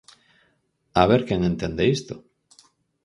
¿A ver quen entende isto?